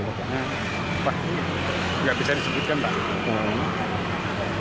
nggak bisa disebutkan pak